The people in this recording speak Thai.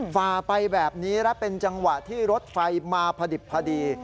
ฝ่าไปแบบนี้และเป็นจังหวะที่รถไฟมาพอดิบพอดี